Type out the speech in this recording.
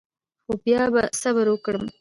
خو بیا به صبر وکړم.